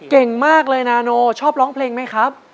เก่งมากเลยนาโนชอบร้องเพลงไหมครับ